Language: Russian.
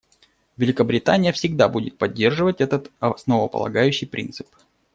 Великобритания всегда будет поддерживать этот основополагающий принцип.